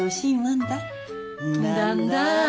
んだんだ。